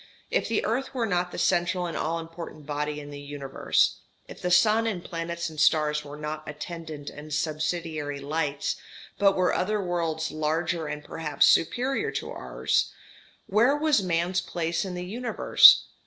If the earth were not the central and all important body in the universe, if the sun and planets and stars were not attendant and subsidiary lights, but were other worlds larger and perhaps superior to ours, where was man's place in the universe?